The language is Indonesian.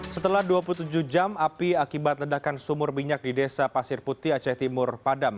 setelah dua puluh tujuh jam api akibat ledakan sumur minyak di desa pasir putih aceh timur padam